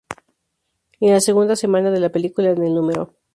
Y en la segunda semana de la película en el núm.